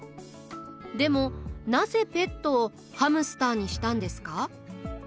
でもなぜペットをハムスターにしたんですか？